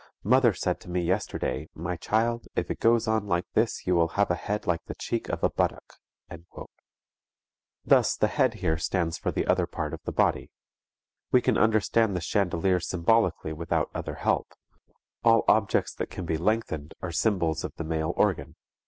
Mother said to me yesterday, 'My child, if it goes on like this, you will have a head like the cheek of a buttock.'" Thus the head here stands for the other part of the body. We can understand the chandelier symbolically without other help; all objects that can be lengthened are symbols of the male organ.